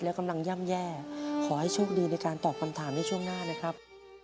และกำลังย่ำแย่ขอให้โชคดีในการตอบคำถามในช่วงหน้านะครับ